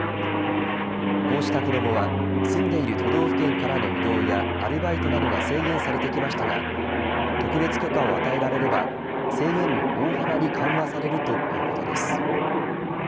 こうした子どもは住んでいる都道府県からの移動やアルバイトなどが制限されてきましたが特別許可を与えられれば制限も大幅に緩和されるということです。